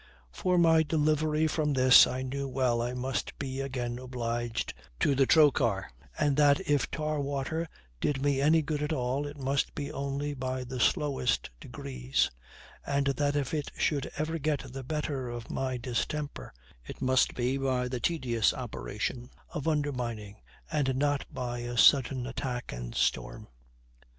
For my delivery from this I well knew I must be again obliged to the trochar; and that if the tar water did me any good at all it must be only by the slowest degrees; and that if it should ever get the better of my distemper it must be by the tedious operation of undermining, and not by a sudden attack and storm.